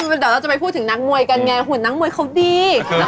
ไม่พี่หลอดเราจะไปพูดถึงนักมวยกันไงเหมือนที่นักมวยเขาดี